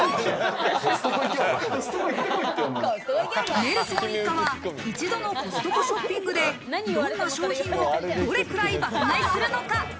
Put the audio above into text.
ネルソン一家は一度のコストコショッピングでどんな商品をどれくらい爆買いするのか？